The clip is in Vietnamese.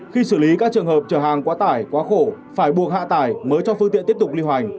khi xử lý các trường hợp trở hàng quá tải quá khổ phải buộc hạ tải mới cho phương tiện tiếp tục ly hoành